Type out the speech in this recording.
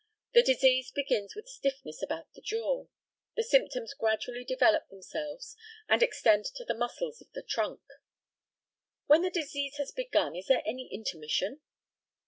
The disease begins with stiffness about the jaw. The symptoms gradually develop themselves and extend to the muscles of the trunk. When the disease has begun is there any intermission?